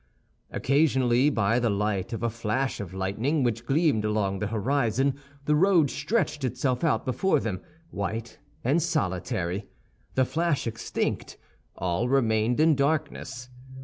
Occasionally, by the light of a flash of lightning which gleamed along the horizon, the road stretched itself before them, white and solitary; the flash extinct, all remained in darkness.